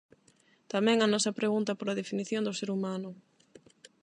Tamén a nosa pregunta pola definición do ser humano.